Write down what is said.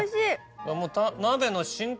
もう。